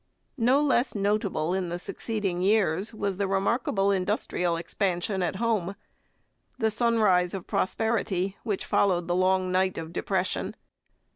No less notable in the succeeding years was the remarkable industrial expansion at home, the sunrise of prosperity which followed the long night of depression.